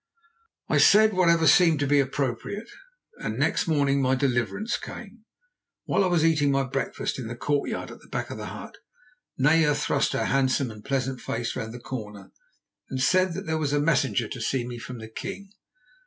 I said whatever seemed to be appropriate, and next morning my deliverance came. While I was eating my breakfast in the courtyard at the back of the hut, Naya thrust her handsome and pleasant face round the corner and said that there was a messenger to see me from the king.